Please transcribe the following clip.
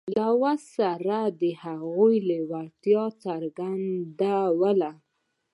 له وسلې سره د هغوی لېوالتیا څرګندوله.